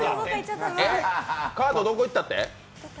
カードどこいったって？